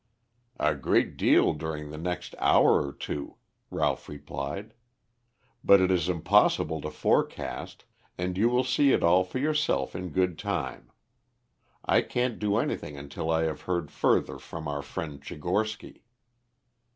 "A great deal during the next hour or two," Ralph replied. "But it is impossible to forecast, and you will see it all for yourself in good time. I can't do anything until I have heard further from our friend Tchigorsky."